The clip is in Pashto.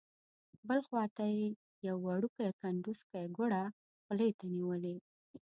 بل خوا ته یې یو وړوکی کنډوسکی ګوړه خولې ته نیولې.